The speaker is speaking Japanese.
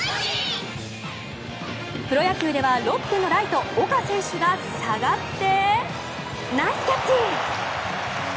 プロ野球ではロッテのライト岡選手が下がってナイスキャッチ！